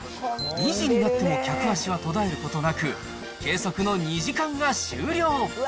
２時になっても客足は途絶えることなく、計測の２時間が終了。